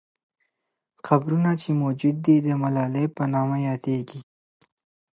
قبرونه چې موجود دي، د ملالۍ په نامه یادیږي.